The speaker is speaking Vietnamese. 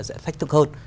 sẽ thách thức hơn